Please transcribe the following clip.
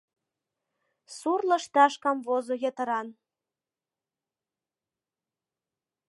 Сур лышташ камвозо йытыран.